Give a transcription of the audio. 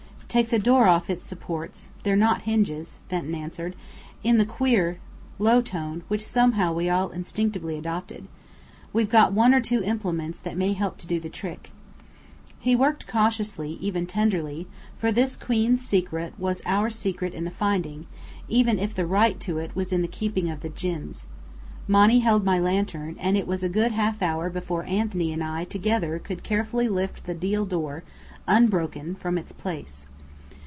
"Take the door off its supports: they're not hinges," Fenton answered, in the queer low tone which somehow we all instinctively adopted. "We've got one or two implements may help to do the trick." He worked cautiously, even tenderly: for this queen's secret was our secret in the finding, even if the right to it was in the keeping of the djinns. Monny held my lantern, and it was a good half hour before Anthony and I together could carefully lift the deal door, unbroken, from its place.